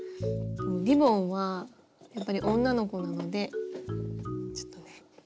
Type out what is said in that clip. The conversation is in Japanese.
リボンはやっぱり女の子なのでちょっとね